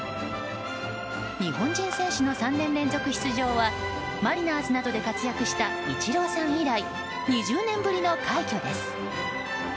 日本人選手の３年連続出場はマリナーズなどで活躍したイチローさん以来２０年ぶりの快挙です。